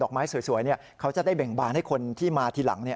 ไม้สวยเขาจะได้เบ่งบานให้คนที่มาทีหลัง